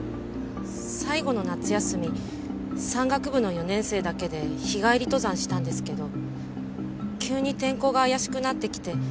最後の夏休み山岳部の４年生だけで日帰り登山したんですけど急に天候が怪しくなってきて。